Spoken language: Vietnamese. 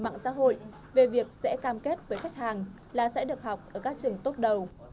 mạng xã hội về việc sẽ cam kết với khách hàng là sẽ được học ở các trường tốt đầu